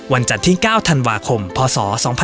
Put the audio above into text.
จัดที่๙ธันวาคมพศ๒๕๖๒